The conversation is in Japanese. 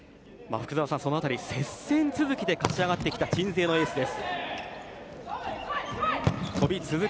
その辺り、接戦続きで勝ち上がってきた鎮西のエースです。